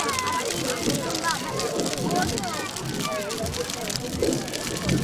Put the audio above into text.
推进可以使用传统水下螺旋桨或喷水机。